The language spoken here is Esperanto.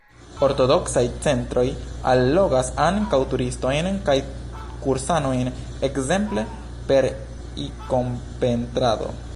Ortodoksaj centroj allogas ankaŭ turistojn kaj kursanojn, ekzemple per ikonpentrado.